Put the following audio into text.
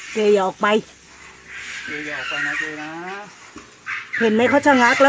สวัสดีครับทุกคน